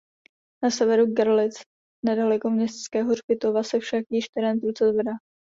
Na severu Görlitz nedaleko městského hřbitova se však již terén prudce zvedá.